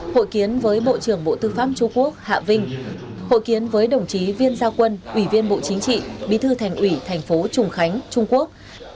hội kiến với bộ trưởng bộ tư pháp trung quốc hạ vinh hội kiến với đồng chí viên gia quân ủy viên bộ chính trị bí thư thành ủy thành phố trùng khánh trung quốc